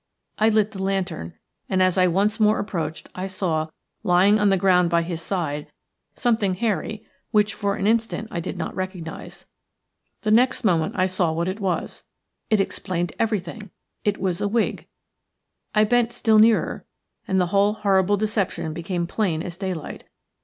I lit the lantern, and as I once more approached I saw, lying on the ground by his side, something hairy which for an instant I did not recognise. The next moment I saw what it was – it explained everything. It was a wig. I bent still nearer, and the whole horrible deception became plain as daylight.